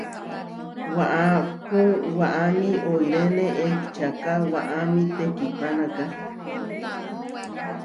Waʼápu waʼámi oiréne ečahká waʼámi tekihpánaka.